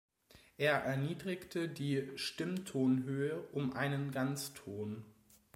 Er erniedrigte die Stimmtonhöhe um einen Ganzton.